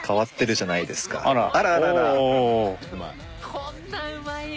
こんなんうまいよ！